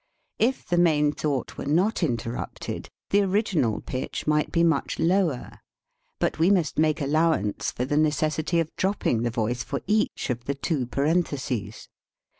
If the main thought were not interrupted, the original pitch might be much lower. But we must make allowance for the necessity of dropping the voice for each of the two parentheses.